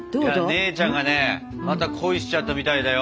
姉ちゃんがねまた恋しちゃったみたいだよ。